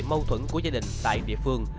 mâu thuẫn của gia đình tại địa phương